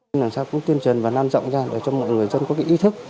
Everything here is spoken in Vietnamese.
làm sao cũng tuyên truyền và lan trọng ra để cho mọi người dân có ý thức